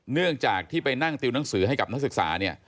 เนื่องจากที่ไปนั่งติวหนังสือให้กับนักศึกษาเนี่ย